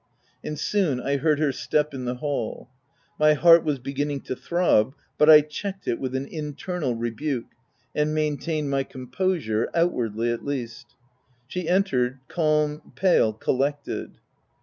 And soon I heard her step in the hall. My heart was be ginning to throb, but I checked it with an in OF W1LDFELL HALL. 259 ternal rebuke, and maintained my composure — outwardly, at least. She entered, calm, pale, collected.